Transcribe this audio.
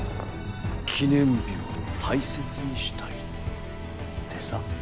記念日を大切にしたいってさ。